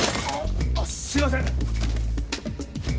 あっすいません。